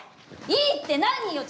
いいって何よ。